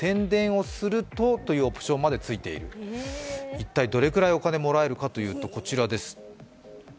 一体どれくらいお金もらえるかというとこちらです。